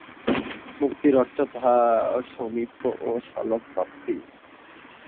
মুক্তির অর্থ তাঁহার সামীপ্য ও সালোক্য-প্রাপ্তি।